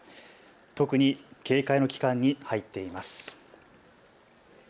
特に警戒の期間に入っています。